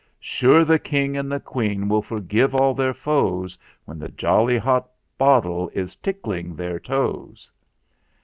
Sure the King and the Queen Will forgive all their foes When the jolly hot bottle Is tickling their toes!"